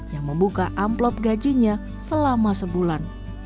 yang membuka amplop gajinya selama sebulan